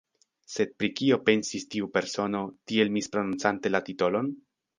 Sed pri kio pensis tiu persono, tiel misprononcante la titolon?